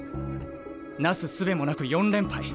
なすすべもなく４連敗。